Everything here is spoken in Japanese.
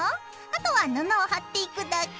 あとは布を貼っていくだけ。